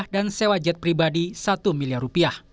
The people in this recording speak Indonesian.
dan sewa jet pribadi rp satu miliar